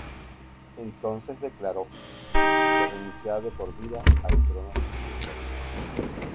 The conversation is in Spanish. Entonces declaró que renunciaba de por vida al trono del reino.